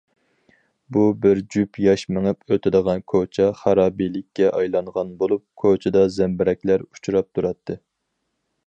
بۇ بىر جۈپ ياش مېڭىپ ئۆتىدىغان كوچا خارابىلىككە ئايلانغان بولۇپ، كوچىدا زەمبىرەكلەر ئۇچراپ تۇراتتى.